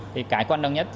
thì cái quan trọng nhất